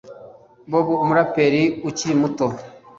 Babou umuraperi ukiri muto